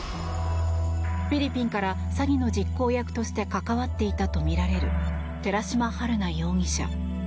フィリピンから詐欺の実行役として関わっていたとみられる寺島春奈容疑者。